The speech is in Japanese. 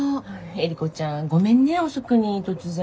エリコちゃんごめんね遅くに突然。